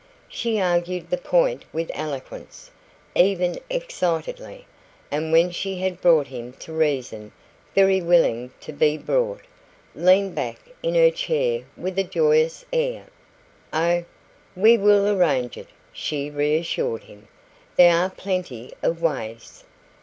She argued the point with eloquence, even excitedly; and when she had brought him to reason very willing to be brought leaned back in her chair with a joyous air. "Oh, we will arrange it!" she reassured him. "There are plenty of ways.